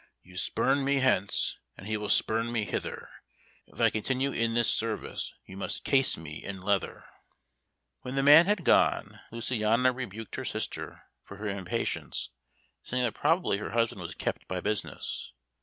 "You spurn me hence, and he will spurn me hither; if I continue in this service, you must case me in leather." When the man had gone Luciana rebuked her sister for her impatience, saying that probably her husband was kept by business.